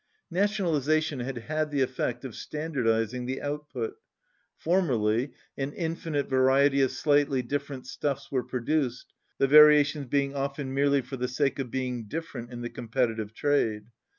Nationalization had had the effect of standard izing the output. Formerly, an infinite variety of slightly different stuffs were produced, the varia tions being often merely for the sake of being different in the competitive trade.